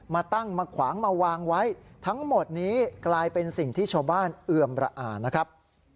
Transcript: มาตั้งมาขวางมาวางไว้ทั้งหมดนี้กลายเป็นสิ่งที่ชาวบ้านเอือมระอานะครับ